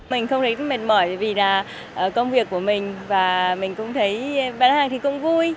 mình không thấy mệt mỏi vì là công việc của mình và mình cũng thấy vé hàng thì cũng vui